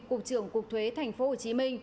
cục trưởng cục thuế tp hcm